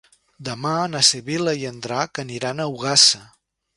Demà na Sibil·la i en Drac aniran a Ogassa.